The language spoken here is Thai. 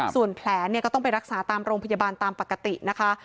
ส่วนแผลเนี่ยก็ต้องไปรักษาตามโรงพยาบาลตามปกตินะคะ